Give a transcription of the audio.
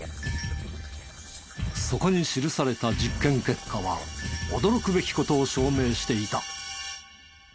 そこに記された実験結果は驚くべき事を証明していた。